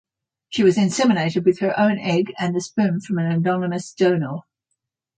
She was inseminated with her own egg and the sperm from an anonymous donor.